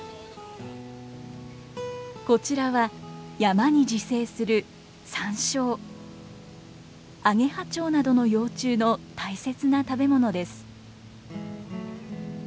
こちらは山に自生するアゲハチョウなどの幼虫の大切な食べ物です。